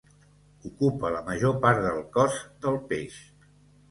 Ocupa la major part del cos del peix.